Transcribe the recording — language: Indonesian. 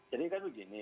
jadi kan begini